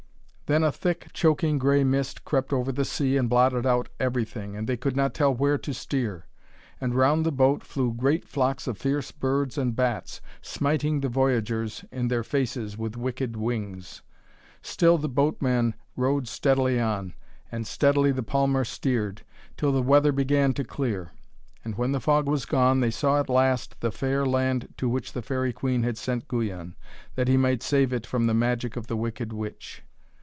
Then a thick, choking, grey mist crept over the sea and blotted out everything, and they could not tell where to steer. And round the boat flew great flocks of fierce birds and bats, smiting the voyagers in their faces with wicked wings. Still the boatman rowed steadily on, and steadily the palmer steered, till the weather began to clear. And, when the fog was gone, they saw at last the fair land to which the Faerie Queen had sent Guyon, that he might save it from the magic of the wicked witch.